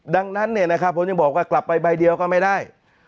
ดังนั้นเนี่ยนะครับผมจะบอกว่ากลับไปใบเดียวก็ไม่ได้